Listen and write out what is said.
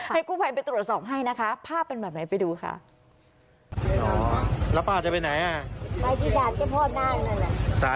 กู้ภัยไปตรวจสอบให้นะคะภาพเป็นแบบไหนไปดูค่ะ